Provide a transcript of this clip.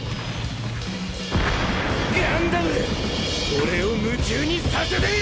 ガンダム俺を夢中にさせてみろ！